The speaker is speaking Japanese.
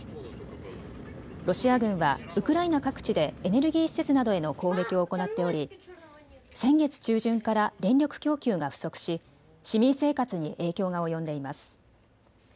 ロシア軍はウクライナ各地でエネルギー施設などへの攻撃を行っており、先月中旬から電力供給が不足し市民生活に影響が及んでいます。